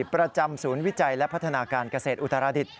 ประจำศูนย์วิจัยและพัฒนาการเกษตรอุตราดิษฐ